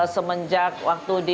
semenjak waktu di